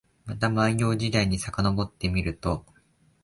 また万葉時代にさかのぼってみると、